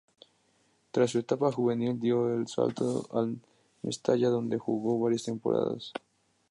Tras su etapa juvenil dio el salto al Mestalla donde jugó varias temporadas.